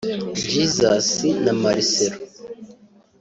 Jesus na Marcelo